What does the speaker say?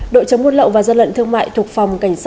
đội chống muôn lậu và gia lận thương mại thuộc phòng cảnh sát